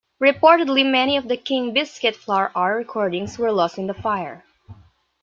Reportedly, many of the King Biscuit Flower Hour recordings were lost in the fire.